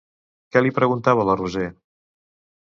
Què li preguntava la Roser?